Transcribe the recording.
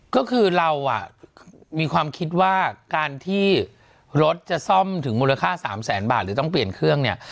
ก็คือเรามีความคิดว่าการที่รถจะซ่อมถึงมูลค่า๓แสนบาทหรือต้องเปลี่ยนเครื่องเนี่ย